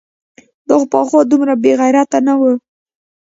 دا خو پخوا دومره بېغیرته نه و؟!